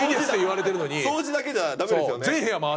掃除だけじゃ駄目ですよね。